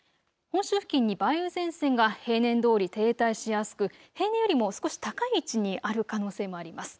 本州付近に梅雨前線が平年どおり停滞しやすく、平年よりも少し高い位置にある可能性もあります。